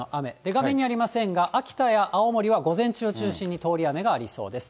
画面にありませんが、秋田や青森は午前中を中心に通り雨がありそうです。